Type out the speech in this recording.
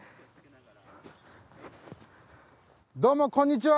どうもこんにちは。